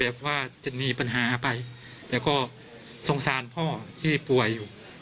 นะครับว่าจะมีปัญหาไปแล้วก็ทรงจานพ่อที่ป่วยอยู่